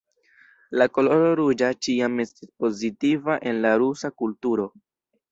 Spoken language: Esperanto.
La koloro ruĝa ĉiam estis pozitiva en la rusa kulturo.